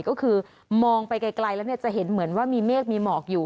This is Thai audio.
ก็คือมองไปไกลแล้วจะเห็นเหมือนว่ามีเมฆมีหมอกอยู่